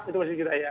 itu masih kita ya